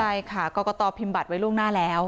ใช่ค่ะกรกตพิมพ์บัตรไว้ล่วงหน้าแล้ว